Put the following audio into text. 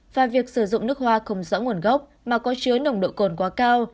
và việc sử dụng nước hoa không rõ nguồn gốc mà có chứa nồng độ cồn quá cao